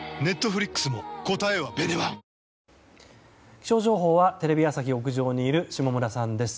気象情報はテレビ朝日屋上にいる下村さんです。